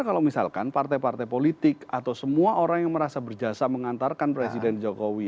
kalau misalkan partai partai politik atau semua orang yang merasa berjasa mengantarkan presiden jokowi